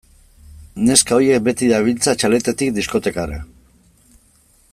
Neska horiek beti dabiltza txaletetik diskotekara.